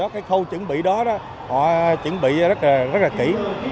cái khâu chuẩn bị đó đó họ chuẩn bị rất là kỹ